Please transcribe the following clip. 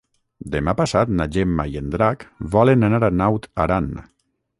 Demà passat na Gemma i en Drac volen anar a Naut Aran.